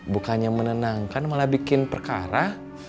bukannya menenangkan malah bikin perkara